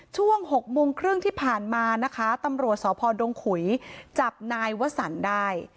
ช่วง๖โมงครึ่งที่ผ่านมานะคะตำรวจสพดงขุยจับนายวสันได้